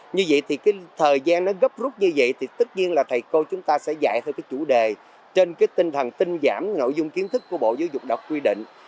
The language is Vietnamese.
như vậy thì cái thời gian nó gấp rút như vậy thì tất nhiên là thầy cô chúng ta sẽ dạy theo cái chủ đề trên cái tinh thần tinh giảm nội dung kiến thức của bộ giáo dục đọc quy định